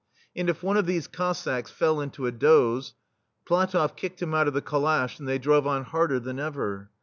And if one of these Cossacks fell into a doze, Pla toff kicked him out of the calash, and they drove on harder than ever.